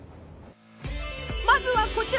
まずはこちら！